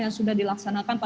tiga ribu totalnya nanti